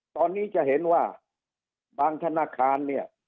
ตอนนี้จะเห็นว่าบางธนาคารเนี่ย